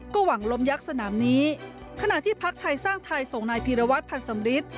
ก็หวังล้มยักษ์สนามนี้ขณะที่พักไทยสร้างไทยส่งนายพีรวัตรพันธ์สำริท